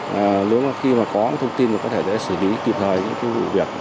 nếu mà khi có thông tin thì có thể để xử lý kịp thời những vụ việc